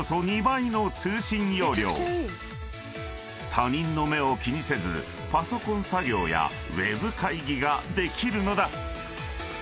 ［他人の目を気にせずパソコン作業やＷｅｂ会議ができるのだ］